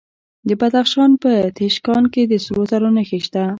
د بدخشان په تیشکان کې د سرو زرو نښې شته.